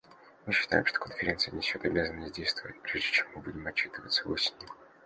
Мы считаем, что Конференция несет обязанность действовать, прежде чем мы будем отчитываться осенью.